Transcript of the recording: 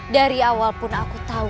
dari awal pun aku tahu